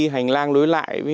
hành lang lối lại